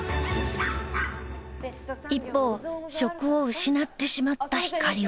一方職を失ってしまったひかりは